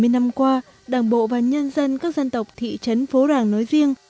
bảy mươi năm qua đảng bộ và nhân dân các dân tộc thị trấn phố ràng nói riêng